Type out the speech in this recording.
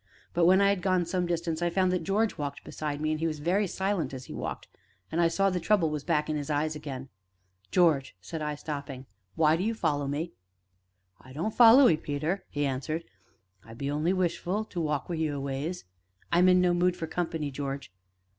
But, when I had gone some distance, I found that George walked beside me, and he was very silent as he walked, and I saw the trouble was back in his eyes again. "George," said I, stopping, "why do you follow me?" "I don't follow 'ee, Peter," he answered; "I be only wishful to walk wi' you a ways." "I'm in no mood for company, George."